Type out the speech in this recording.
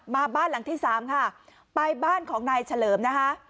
บ้านหลังที่สามค่ะไปบ้านของนายเฉลิมนะคะ